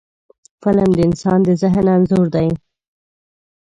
فلم د انسان د ذهن انځور دی